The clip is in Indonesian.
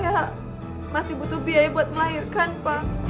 ya masih butuh biaya buat melahirkan pak